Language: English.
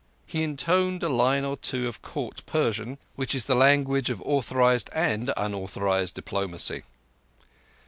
He intoned a line or two of Court Persian, which is the language of authorized and unauthorized diplomacy.